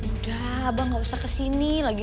udah abah gak usah ke sini